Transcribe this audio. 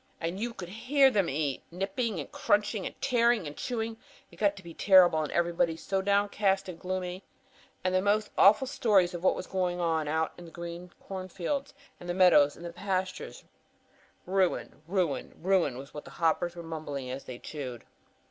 "And you could hear them eat! Nipping and crunching, tearing and chewing. It got to be terrible, and everybody so downcast and gloomy. And the most awful stories of what was going on out in the great corn fields and meadows and pastures. Ruin, ruin, ruin was what the hoppers were mumbling as they chewed.